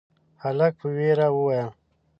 هلک په وېره وويل: